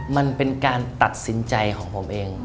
มันเป็นการตัดสินใจของผมเอง